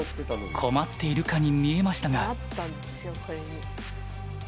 困っているかに見えましたが。